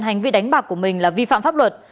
hành vi đánh bạc của mình là vi phạm pháp luật